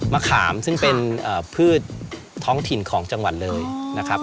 ขามซึ่งเป็นพืชท้องถิ่นของจังหวัดเลยนะครับ